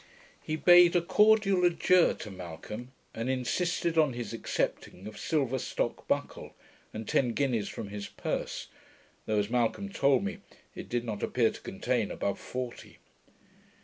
He bade a cordial adieu to Malcolm, and insisted on his accepting of a silver stock buckle, and ten guineas from his purse, though, as Malcolm told me, it did not appear to contain above forty.